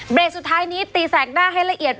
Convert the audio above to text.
สุดท้ายนี้ตีแสกหน้าให้ละเอียด